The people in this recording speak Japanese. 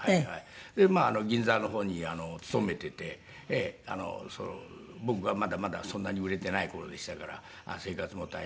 で銀座の方に勤めていて僕がまだまだそんなに売れていない頃でしたから生活も大変。